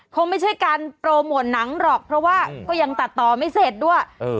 คงไม่ใช่การโปรโมทหนังหรอกเพราะว่าก็ยังตัดต่อไม่เสร็จด้วย